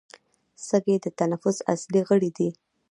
سږي د تنفس اصلي غړي دي